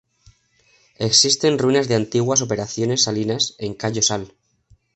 Existen ruinas de antiguas operaciones salinas en Cayo Sal.